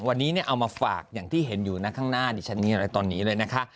วันนี้เอามาฝากอย่างที่เห็นอยู่นะข้างหน้าดิฉันมีอะไรตอนนี้เลยนะคะ